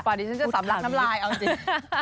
ดิฉันจะสำลักน้ำลายเอาจริง